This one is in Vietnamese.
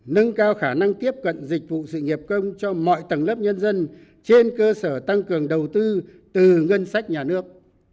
nâng cao khả năng tiếp cận dịch vụ sự nghiệp công cho mọi tầng lớp nhân dân trên cơ sở tăng cường đầu tư từ ngân sách nhà nước